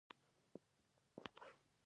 هوساینه تقاعد نغدې پيسې دي.